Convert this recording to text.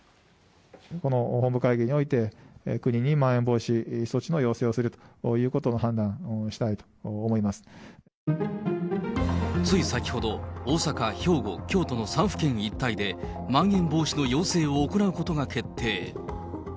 この本部会議において、国にまん延防止措置の要請をするということを判断したいと思いまつい先ほど、大阪、兵庫、京都の３府県一体で、まん延防止の要請を行うことが決定。